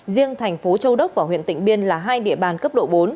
riêng thành phố châu đốc và huyện tịnh biên là hai địa bàn cấp độ bốn